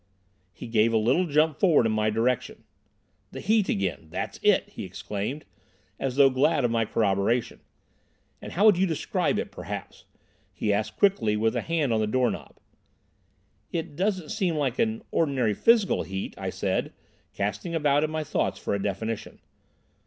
He gave a little jump forward in my direction. "The heat again, that's it!" he exclaimed, as though glad of my corroboration. "And how would you describe it, perhaps?" he asked quickly, with a hand on the door knob. "It doesn't seem like ordinary physical heat," I said, casting about in my thoughts for a definition.